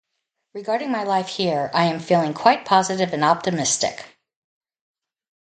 Regarding my life here, I am feeling quite positive and optimistic.